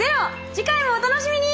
次回もお楽しみに！